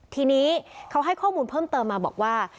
ทีนี้เขาให้ข้อมูลเพิ่มเติมมาบอกว่า